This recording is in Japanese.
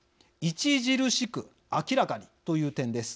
「著しく」「明らかに」という点です。